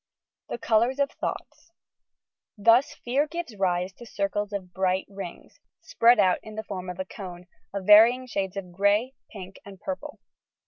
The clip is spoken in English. THE COLOURS OF THOUGUTS Thus fear gives rise to circles of bright rings, spread out in the form of a cone, of varying shades of grey, pink and purple.